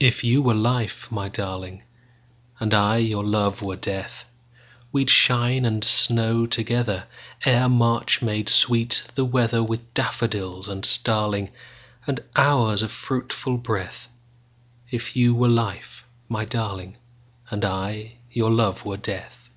If you were life, my darling, And I your love were death, We'd shine and snow togetherEre March made sweet the weatherWith daffodil and starlingAnd hours of fruitful breath; If you were life, my darling, And I your love were death.